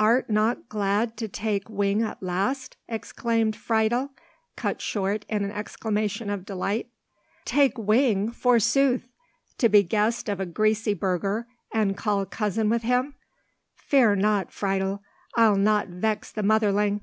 art not glad to take wing at last?" exclaimed Friedel, cut short in an exclamation of delight. "Take wing, forsooth! To be guest of a greasy burgher, and call cousin with him! Fear not, Friedel; I'll not vex the motherling.